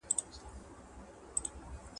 د تنور ګرمي واښه ایرې کوي.